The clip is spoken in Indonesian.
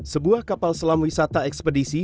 sebuah kapal selam wisata ekspedisi